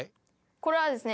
これですね